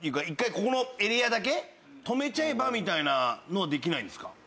１回ここのエリアだけ止めちゃえばみたいなのはできないんですか？